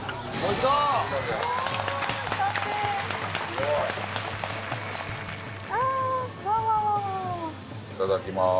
いただきます。